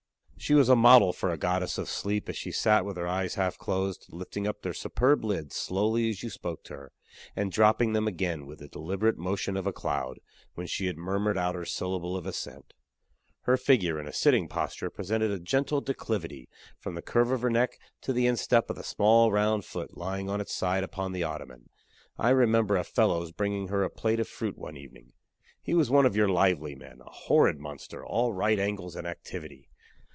She was a model for a goddess of sleep as she sat with her eyes half closed, lifting up their superb lids slowly as you spoke to her, and dropping them again with the deliberate motion of a cloud, when she had murmured out her syllable of assent. Her figure, in a sitting posture, presented a gentle declivity from the curve of her neck to the instep of the small round foot lying on its side upon the ottoman. I remember a fellow's bringing her a plate of fruit one evening. He was one of your lively men a horrid monster, all right angles and activity.